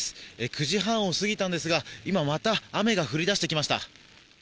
９時半を過ぎたんですが今また雨が降り出してきました。